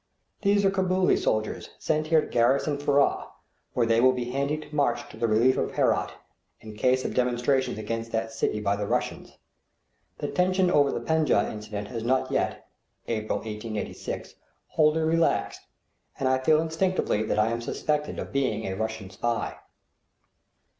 These are Cabooli soldiers sent here to garrison Furrah, where they will be handy to march to the relief of Herat, in case of demonstrations against that city by the Russians. The tension over the Penjdeh incident has not yet (April, 1886) wholly relaxed, and I feel instinctively that I am suspected of being a Russian spy.